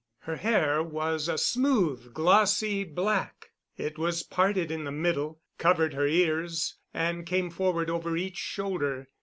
Her hair was a smooth, glossy black. It was parted in the middle, covered her ears, and came forward over each shoulder.